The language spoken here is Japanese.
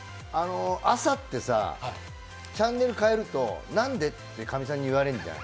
朝ってさ、チャンネル変えると何でってカミさんに言われるじゃん。